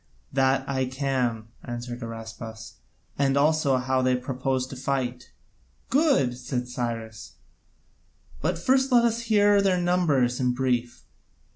"That I can," answered Araspas, "and also how they propose to fight." "Good," said Cyrus, "but first let us hear their numbers in brief."